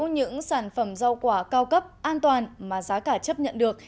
những sản phẩm rau quả cao cấp an toàn mà giá cả chấp nhận được